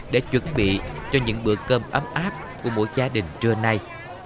để chuẩn bị cho những bữa cơm ấm áp của mỗi gia đình trưa nay